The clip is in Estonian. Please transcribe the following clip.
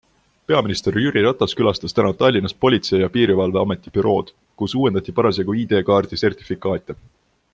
Peaminister Jüri Ratas külastas täna Tallinnas Politsei ja Piirivalveameti bürood, kus uuendati parasjagu ID-kaardi sertifikaate.